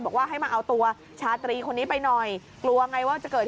บอกว่าให้มาเอาตัวชาตรีคนนี้ไปหน่อยกลัวไงว่าจะเกิด